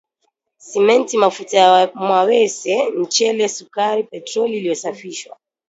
Simenti mafuta ya mawese, mchele, sukari, petroli iliyosafishwa